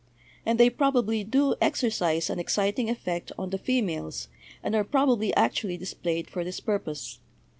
And they probably do exercise an exciting effect on the females, and are prob ably actually displayed for this purpose.